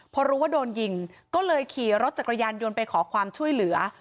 พอรู้ว่าโดนยิงก็เลยขี่รถจักรยานยนต์ไปขอความช่วยเหลือ